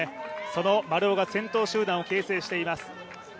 その丸尾が先頭集団を形成しています。